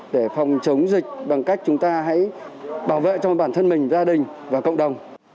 để phòng chống dịch bằng cách chúng ta hãy bảo vệ cho bản thân mình gia đình và cộng đồng